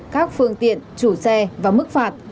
các phương tiện chủ xe và mức phạt